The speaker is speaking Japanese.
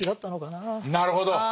なるほど。